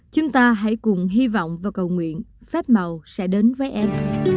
chúng ta hãy cùng hy vọng và cầu nguyện phép màu sẽ đến với em